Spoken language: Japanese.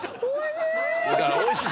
だから「おいしい」